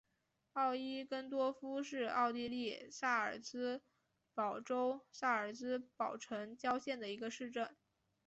奥伊根多夫是奥地利萨尔茨堡州萨尔茨堡城郊县的一个市镇。